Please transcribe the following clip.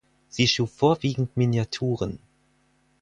Sie schuf vorwiegend Miniaturen.